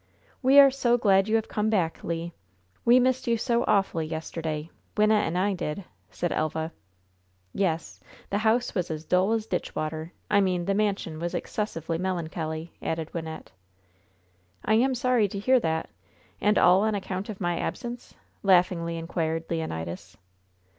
"We are so glad you have come back, Le! We missed you so awfully yesterday Wynnette and I did!" said Elva. "Yes, the house was as dull as ditch water I mean the mansion was excessively melancholy!" added Wynnette. "I am sorry to hear that! And all on account of my absence?" laughingly inquired Leonidas.